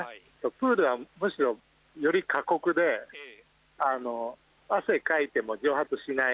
プールはむしろより過酷で汗をかいても蒸発しない。